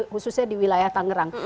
khususnya di wilayah tangerang